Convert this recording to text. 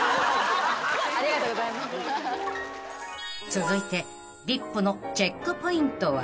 ［続いてリップのチェックポイントは？］